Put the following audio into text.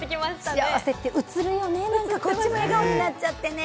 幸せってうつるよね、こっちも笑顔になっちゃってね。